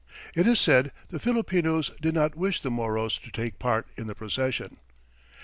It is said the Filipinos did not wish the Moros to take part in the procession.